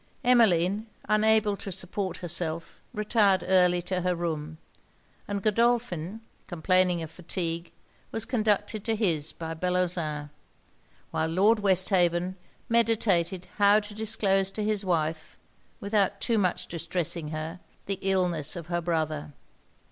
Emmeline, unable to support herself, retired early to her room; and Godolphin, complaining of fatigue, was conducted to his by Bellozane; while Lord Westhaven meditated how to disclose to his wife, without too much distressing her, the illness of her brother.